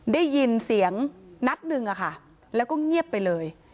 ได้ยินเสียงนัดหนึ่งอะค่ะแล้วก็เงียบไปเลย